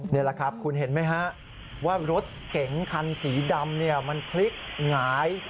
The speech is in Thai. นี่แหละครับคุณเห็นไหมฮะว่ารถเก๋งคันสีดำมันพลิกหงาย